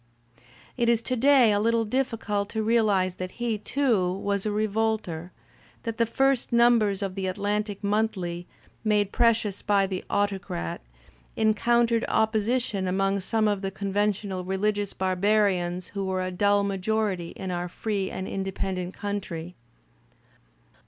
It is to day a Kttle dif ficult to realize that he, too, was a revolter, that the first numbers of the Atlantic Monthly, made precious by The Autocrat," encountered opposition among some of the con ventional religious barbarians who were a dull majority in our free and independent country.